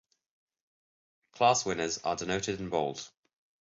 Class winners are denoted in bold.